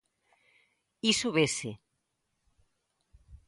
Iso vese.